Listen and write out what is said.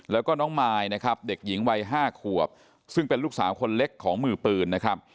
แล้วก็น้องมายนะครับเด็กหญิงวัย๕ขวบซึ่งเป็นลูกสาวคนเล็กของมือปืนนะครับ